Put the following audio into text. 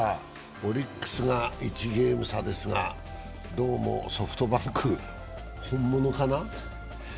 オリックスが１ゲーム差ですが、どうもソフトバンク、本物かな？